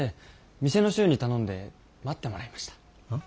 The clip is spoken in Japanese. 見世の衆に頼んで待ってもらいました。